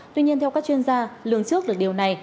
tuy nhiên theo các chuyên gia lường trước được điều này